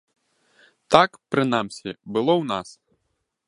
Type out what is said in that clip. Так, прынамсі, было ў нас.